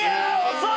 遅い！